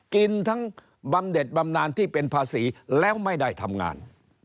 กินทั้งบำเด็ดบำนานที่เป็นภาษีแล้วไม่ได้ทำงาน